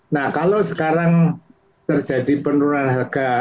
nah kalau sekarang terjadi penurunan harga